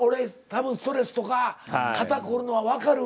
多分ストレスとか肩凝るのはわかる。